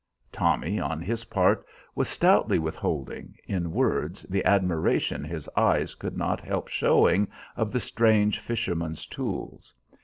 Tommy, on his part, was stoutly withholding, in words, the admiration his eyes could not help showing, of the strange fisherman's tools.